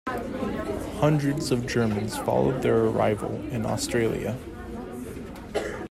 Hundreds of Germans followed their arrival in Australia.